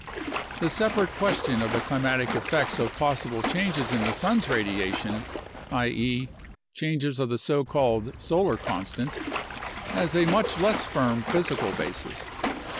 The separate question of the climatic effects of possible changes in the sun's radiation (i.e., changes of the so called solar constant) has a much less firm physical basis.